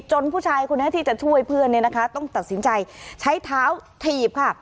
ผู้ชายคนนี้ที่จะช่วยเพื่อนเนี่ยนะคะต้องตัดสินใจใช้เท้าถีบค่ะ